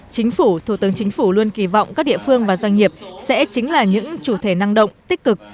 chính phủ thủ tướng chính phủ luôn kỳ vọng các địa phương và doanh nghiệp sẽ chính là những chủ thể năng động tích cực